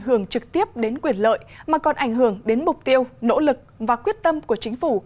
hưởng trực tiếp đến quyền lợi mà còn ảnh hưởng đến mục tiêu nỗ lực và quyết tâm của chính phủ